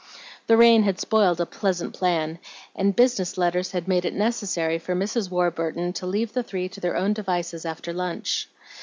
The rain had spoiled a pleasant plan, and business letters had made it necessary for Mrs. Warburton to leave the three to their own devices after lunch.